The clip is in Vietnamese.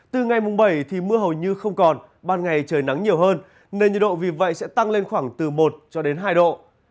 từ ngày mùng bảy thì mưa hầu như không còn ban ngày trời nắng nhiều hơn nên nhiệt độ vì vậy sẽ tăng lên khoảng từ một cho đến hai độ